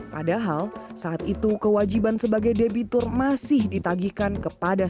padahal saat itu kewajiban sebagai debitur masih ditagihkan kepada